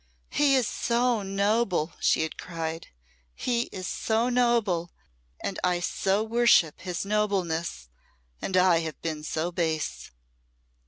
"He is so noble," she had cried "he is so noble and I so worship his nobleness and I have been so base!"